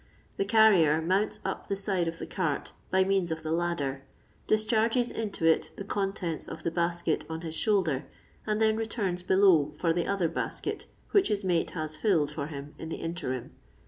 The carrier mounts np the side of the cart by means of the ladder, discharges into it the contents of the basket on his shoulder, and then xetums below for the other basket which his mate has filled for him in the interim.